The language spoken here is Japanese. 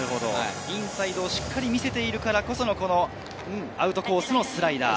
インサイドをしっかり見せているからこそのアウトコースのスライダー。